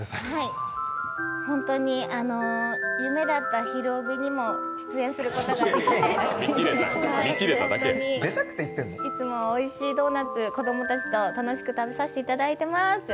本当に夢だった「ひるおび」にも出演することができて本当にいつもおいしいドーナツ、子供たちと食べさせていただいています。